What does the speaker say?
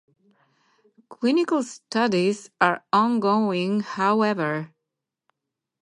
Clinical studies are ongoing, however.